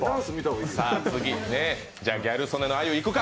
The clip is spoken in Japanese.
次、ギャル曽根のあゆいくか？